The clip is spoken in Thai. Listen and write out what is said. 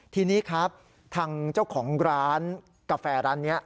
ทีนี้ครับทางเจ้าของร้านกาแฟร้านนี้